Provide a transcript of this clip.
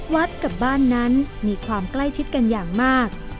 กับบ้านนั้นมีความใกล้ชิดกันอย่างมาก